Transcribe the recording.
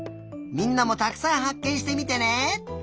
みんなもたくさんはっけんしてみてね！